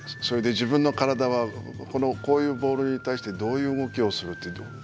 それで自分の体はこういうボールに対してどういう動きをするって。